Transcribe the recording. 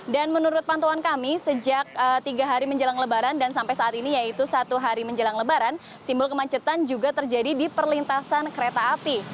dan menurut pantuan kami sejak tiga hari menjelang lebaran dan sampai saat ini yaitu satu hari menjelang lebaran simbol kemacetan juga terjadi di perlintasan kereta api